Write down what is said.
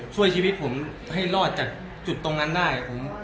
ช่วยชีวิตผมให้รอดจากจุดตรงนั้นได้